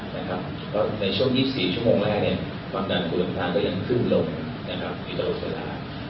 เพราะในช่วง๒๔ชั่วโมงแรกความดันผู้ลำคลางก็ยังขึ้นลงมีตรงสลาด